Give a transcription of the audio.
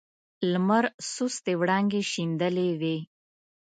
لمر سستې وړانګې شیندلې وې.